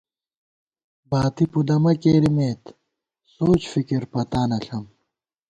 باتی پُدَمہ کېرَمېت سوچ فکِر پتانہ ݪم